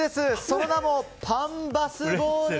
その名もパンバスボール！